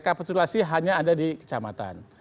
rekapitulasi hanya ada di kecamatan